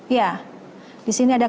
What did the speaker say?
ya disini ada